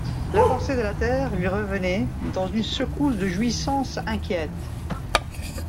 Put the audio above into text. La pensée de la terre lui revenait, dans une secousse de jouissance inquiète.